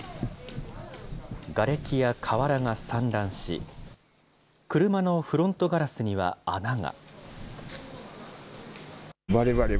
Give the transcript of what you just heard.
がれきや瓦が散乱し、車のフロントガラスには穴が。